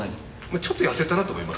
ちょっと痩せたなと思います。